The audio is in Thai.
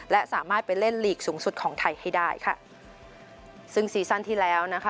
และสามารถไปเล่นลีกสูงสุดของไทยให้ได้ค่ะซึ่งซีซั่นที่แล้วนะคะ